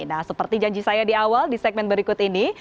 nah seperti janji saya di awal di segmen berikut ini